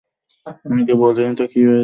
আগে বলি নি তো কি হয়েছে।